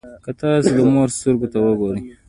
که تاسو د مور سترګو ته وګورئ.